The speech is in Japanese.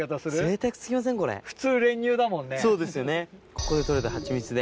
ここで採れたハチミツで。